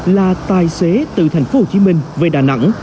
là tài xế từ thành phố hồ chí minh về đà nẵng